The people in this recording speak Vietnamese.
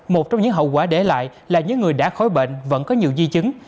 một trong những hậu quả để lại là những người đã khói bệnh vẫn có nhiều di chứng